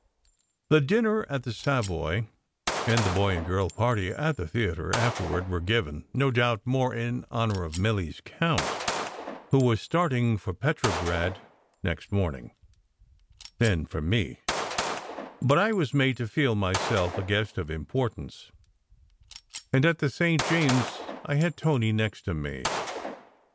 The dinner at the Savoy and the boy and girl party at the theatre afterward were given, no doubt, more in honour of "Milly s count" (who was starting for Petrograd next morning) than for me; but I was made to feel myself a guest of importance; and at the St. James I had Tony next to me.